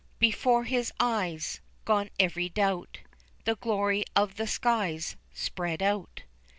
Before his eyes gone, every doubt The glory of the skies spread out.